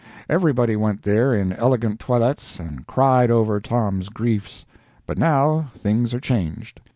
Everybody went there in elegant toilettes and cried over Tom's griefs. But now, things are changed.